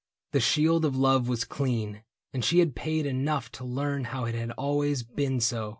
The shield of love Was clean, and she had paid enough to learn How it had always been so.